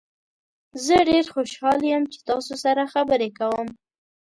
زه ډیر خوشحال یم چې تاسو سره خبرې کوم.